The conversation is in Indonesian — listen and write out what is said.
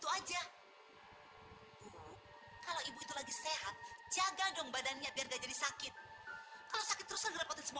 hutang saya kan belum jatuh tempo bu